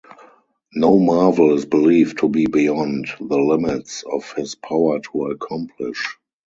No marvel is believed to be beyond the limits of his power to accomplish.